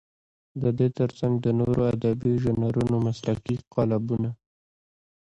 د دې تر څنګ د نورو ادبي ژانرونو مسلکي قالبونه.